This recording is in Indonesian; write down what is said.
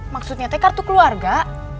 maksudnya tuh kartu keluarga